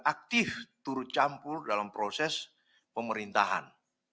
aktif turut campur dalam proses pemerintahan